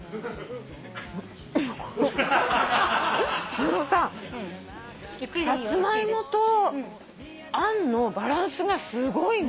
あのさサツマイモとあんのバランスがすごいね。